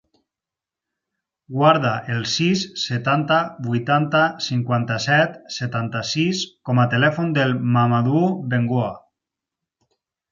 Guarda el sis, setanta, vuitanta, cinquanta-set, setanta-sis com a telèfon del Mahamadou Bengoa.